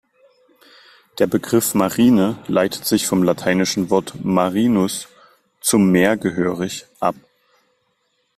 Der Begriff Marine leitet sich vom lateinischen Wort "marinus", zum Meer gehörig, ab.